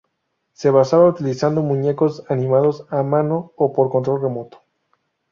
Se basaba utilizando muñecos animados a mano o por control remoto.